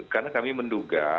karena kami menduga